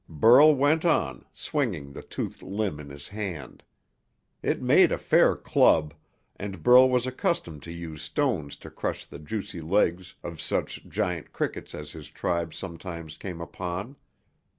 Burl went on, swinging the toothed limb in his hand. It made a fair club, and Burl was accustomed to use stones to crush the juicy legs of such giant crickets as his tribe sometimes came upon.